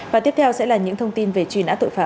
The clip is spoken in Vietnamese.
và tiếp theo sẽ là những thông tin về truy nã tội phạm